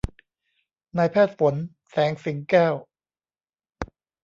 นายแพทย์ฝน แสงสิงแก้ว